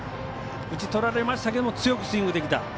打ち取られましたけど強くスイングできた。